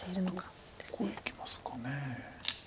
どこいきますかね。